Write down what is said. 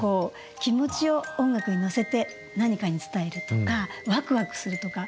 気持ちを音楽に乗せて何かに伝えるとかワクワクするとか。